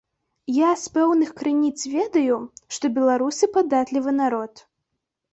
Я з пэўных крыніц ведаю, што беларусы падатлівы народ.